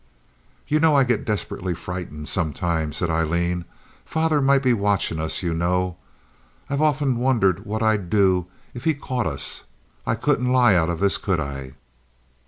"You know I get desperately frightened, sometimes," said Aileen. "Father might be watching us, you know. I've often wondered what I'd do if he caught us. I couldn't lie out of this, could I?"